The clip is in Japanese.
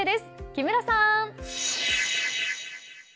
木村さん！